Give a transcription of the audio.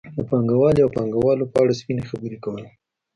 د پانګوالۍ او پانګوالو په اړه سپینې خبرې کولې.